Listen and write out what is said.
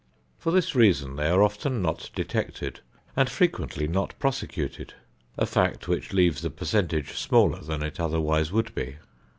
For this reason they are often not detected and frequently not prosecuted, a fact which leaves the percentage smaller than it otherwise would be.